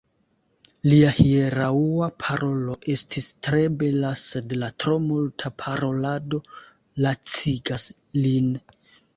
Lia hieraŭa parolo estis tre bela, sed la tro multa parolado lacigas lin.